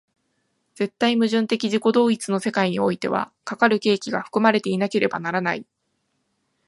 絶対矛盾的自己同一の世界においては、かかる契機が含まれていなければならない。